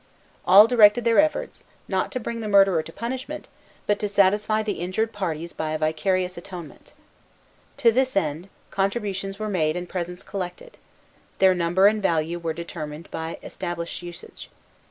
All directed their efforts, not to bring the murderer to punishment, but to satisfy the injured parties by a vicarious atonement. To this end, contributions were made and presents collected. Their number and value were determined by established usage.